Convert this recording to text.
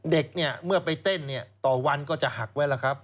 เด็กเนี่ยเมื่อไปเต้นเนี่ยต่อวันก็จะหักไว้แล้วครับ